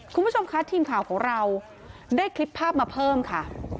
คุณผู้ชมคะทีมข่าวของเราได้คลิปภาพมาเพิ่มค่ะ